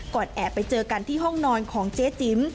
แอบไปเจอกันที่ห้องนอนของเจ๊จิ๋ม